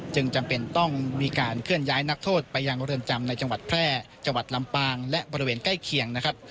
จำเป็นต้องมีการเคลื่อนย้ายนักโทษไปยังเรือนจำในจังหวัดแพร่จังหวัดลำปางและบริเวณใกล้เคียงนะครับ